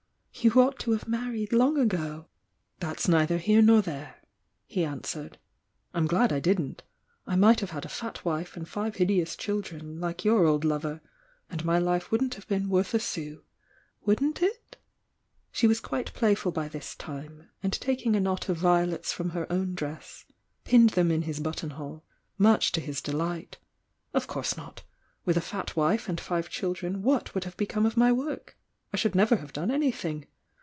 "You ought to have married long ago!" "That's neither here nor there," he answered. "I'm glad I didn't — I might have had a fat wife and five hideous children, like your old lover — and my life wouldn't have been worth a sou!" "Wouldn't it?" She "vas quite playful by this time, and taking a knot of violets from her own dress, pinned them in his buttonhole, much to his delight. "Of course not! with a fat wife and five children what would have become of my work? I sh ^uld never have done anytliing.